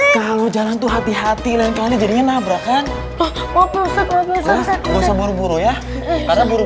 kalau jalan tuh hati hati lain kali jadinya nabrak kan